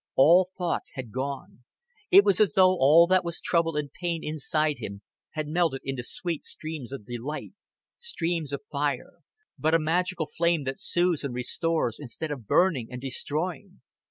All thought had gone. It was as though all that was trouble and pain inside him had melted into sweet streams of delight streams of fire; but a magical flame that soothes and restores, instead of burning and destroying.